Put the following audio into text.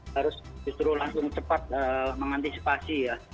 harus justru langsung cepat mengantisipasi ya